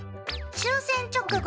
終戦直後